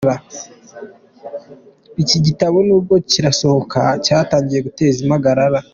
Iki gitabo nubwo kirasohoka cyatangiye guteza impagarara.